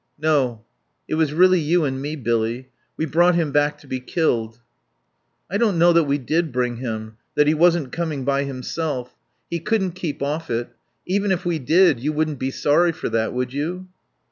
"No.... It was really you and me, Billy. We brought him back to be killed." "I don't know that we did bring him that he wasn't coming by himself. He couldn't keep off it. Even if we did, you wouldn't be sorry for that, would you?"